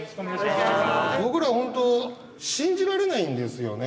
僕ら本当信じられないんですよね。